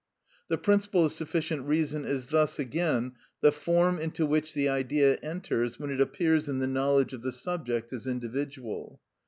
The principle of sufficient reason is thus again the form into which the Idea enters when it appears in the knowledge of the subject as individual.